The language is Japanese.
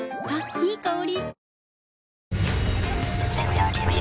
いい香り。